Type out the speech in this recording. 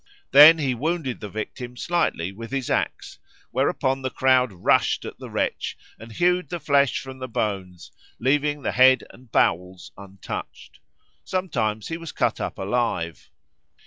Then he wounded the victim slightly with his axe, whereupon the crowd rushed at the wretch and hewed the flesh from the bones, leaving the head and bowels untouched. Sometimes he was cut up alive.